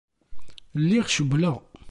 Lliɣ cewwleɣ.